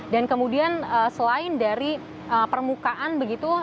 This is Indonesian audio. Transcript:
dan kemudian selain dari permukaan begitu